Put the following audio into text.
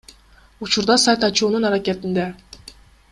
Учурда сайт ачуунун аракетинде.